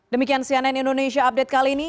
demikian cnn indonesia update kali ini